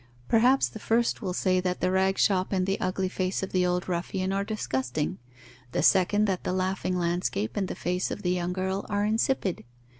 Perhaps the first will say that the rag shop and the ugly face of the old ruffian are disgusting; the second, that the laughing landscape and the face of the young girl are insipid.